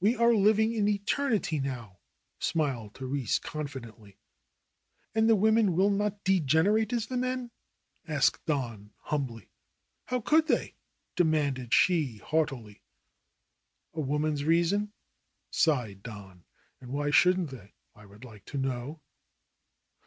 "We are living in eternity now/^ smiled Therese con fidently. "And the women will not degenerate as the men?'^ asked Don humbly. "How could they demanded she haughtily. "A woman's reason/' sighed Don. "And why shouldn't they, I would like to know